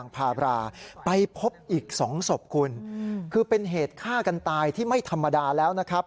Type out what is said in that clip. เป็นเหตุฆ่ากันตายที่ไม่ธรรมดาแล้วนะครับ